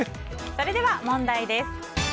それでは問題です。